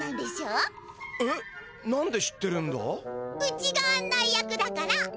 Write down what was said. うちが案内役だから！